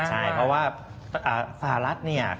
ใช่เพราะว่าสหรัฐเนี่ย